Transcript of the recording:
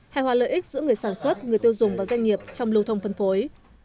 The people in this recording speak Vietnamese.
hài hòa lợi ích giữa người sản xuất người tiêu dùng và doanh nghiệp trong lưu thông phân phối